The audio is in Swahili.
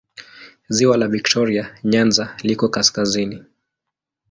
Ziwa la Viktoria Nyanza liko kaskazini.